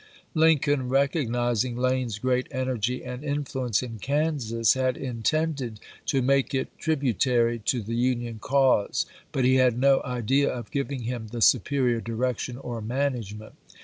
Lincoln, recognizing Lane's great energy and in fluence in Kansas, had intended to make it tribu tary to the Union cause, but he had no idea of giving him the superior direction or management.